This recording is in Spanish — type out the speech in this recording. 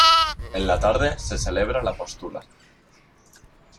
En la tarde se celebra la postula.